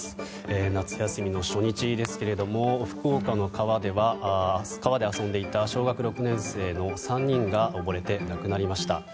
夏休みの初日ですけども福岡の川で遊んでいた小学６年生の３人が溺れて亡くなりました。